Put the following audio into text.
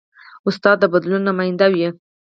استاد د بدلون نماینده وي.